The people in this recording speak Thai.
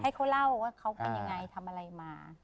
ให้เขาเล่าว่าเขาเป็นยังไงทำอะไรมา